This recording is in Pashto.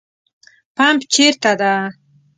پمپ چیرته ده؟